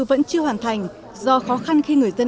vẫn chưa hoàn thành do khó khăn khi người dân